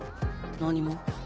何も。